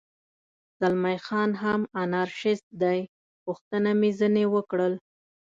زلمی خان هم انارشیست دی، پوښتنه مې ځنې وکړل.